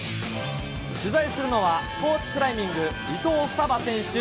取材するのはスポーツクライミング、伊藤ふたば選手